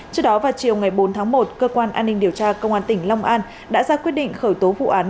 trước đó vào chiều ngày bốn tháng một cơ quan an ninh điều tra công an tỉnh long an đã ra quyết định khởi tố vụ án